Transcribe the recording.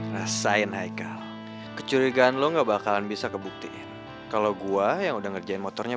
rasain haikal kecurigaan lo enggak bakalan bisa kebuktiin kalau gue yang udah ngerjain motornya